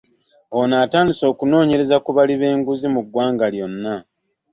Ono atandise okunoonyereza ku bali b'enguzi mu ggwanga lyonna.